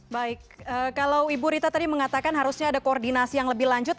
baik kalau ibu rita tadi mengatakan harusnya ada koordinasi yang lebih lanjut